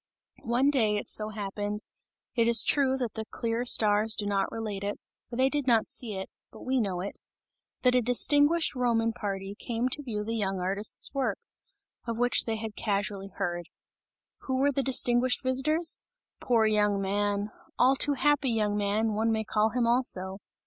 One day, it so happened it is true, that the clear stars do not relate it, for they did not see it, but we know it that a distinguished Roman party, came to view the young artist's work, of which they had casually heard. Who were the distinguished visitors? Poor young man! All too happy young man, one may call him also.